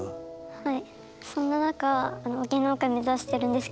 はい。